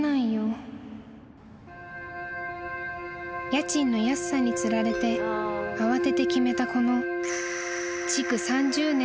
［家賃の安さにつられて慌てて決めたこの］